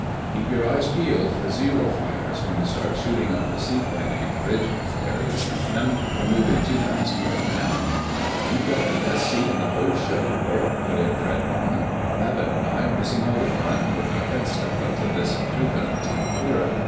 "Keep your eyes peeled for Zero fighters when we start shooting up the seaplane anchorage," Barry warned him. "We're moving too fast for them now." "You've got the best seat in the whole show, Rourke," put in Fred Marmon. "Babbitt and I are missing all the fun, with our heads stuck into this two gun top turret.